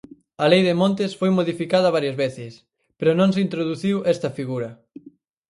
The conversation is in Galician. A Lei de Montes foi modificada varias veces, pero non se introduciu esta figura.